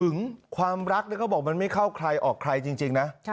ถึงความรักเขาบอกมันไม่เข้าใครออกใครจริงนะ